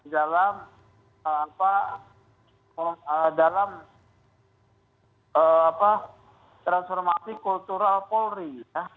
dalam apa dalam apa transformasi kultural polri ya